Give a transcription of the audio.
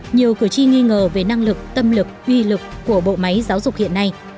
nhiều cử tri nghi ngờ về năng lực tâm lực uy lực của bộ máy giáo dục hiện nay